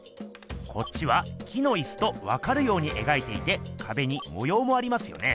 こっちは木のいすとわかるように描いていてかべにもようもありますよね。